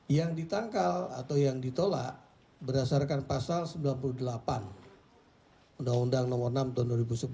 yang ditangkal atau yang ditolak berdasarkan pasal sembilan puluh delapan undang undang nomor enam tahun dua ribu sebelas